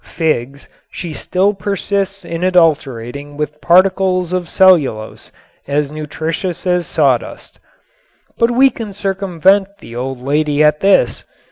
Figs she still persists in adulterating with particles of cellulose as nutritious as sawdust. But we can circumvent the old lady at this.